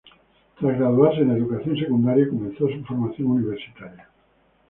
Tras graduarse en educación secundaria, comenzó su formación universitaria.